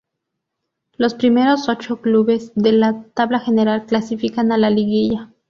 Los primeros ocho clubes de la tabla general clasifican a la liguilla.